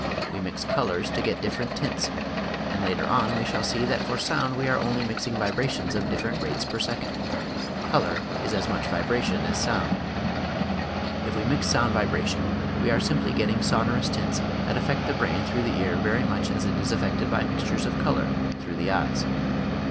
We mix colors to get different tints, and later on we shall see that for sound we are only mixing vibrations of different rates per second; color is as much vibration as sound. If we mix sound vibration we are simply getting sonorous tints that affect the brain through the ear very much as it is affected by mixtures of color through the eyes.